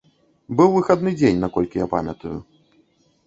Быў выхадны дзень, наколькі я памятаю.